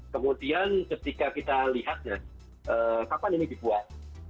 kemudian ketika kita lihat ya kapan ini dibuat